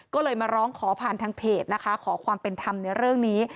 ก็เลยมาร้องขอผ่านทางเพจนะคะขอความเป็นธรรมในเรื่องนี้